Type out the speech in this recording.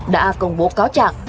đã công bố cáo trạng